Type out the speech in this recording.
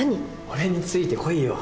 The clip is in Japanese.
俺についてこいよ。